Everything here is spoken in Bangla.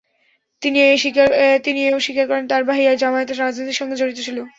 তিনি এ-ও স্বীকার করেন, তাঁর ভাই জামায়াতের রাজনীতির সঙ্গে জড়িত ছিল।